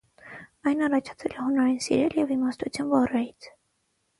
Այն առաջացել է հունարեն «սիրել» և «իմաստություն» բառերից։